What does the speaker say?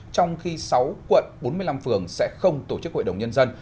trong khi sáu quận bốn mươi năm phường sẽ không tổ chức hội đồng nhân dân